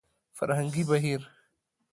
فرهنګي بهير